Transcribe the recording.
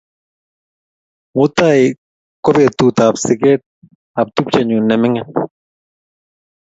Mutai ko petut ap siget ap tupchennyu ne mining'